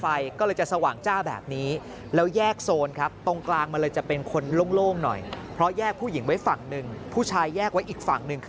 ไฟก็เลยจะสว่างจ้าแบบนี้แล้วแยกโซนครับตรงกลางมันเลยจะเป็นคนโล่งหน่อยเพราะแยกผู้หญิงไว้ฝั่งหนึ่งผู้ชายแยกไว้อีกฝั่งหนึ่งคือ